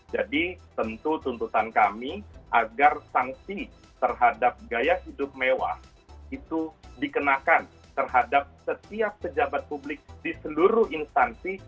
jadi tentu tuntutan kami agar sanksi terhadap gaya hidup mewah itu dikenakan terhadap setiap pejabat publik di seluruh instansi